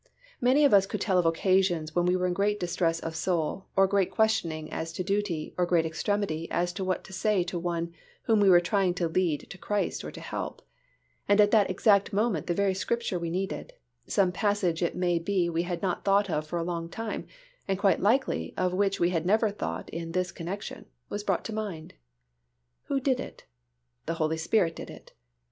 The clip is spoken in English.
Many of us could tell of occasions when we were in great distress of soul or great questioning as to duty or great extremity as to what to say to one whom we were trying to lead to Christ or to help, and at that exact moment the very Scripture we needed—some passage it may be we had not thought of for a long time and quite likely of which we had never thought in this connection—was brought to mind. Who did it? The Holy Spirit did it.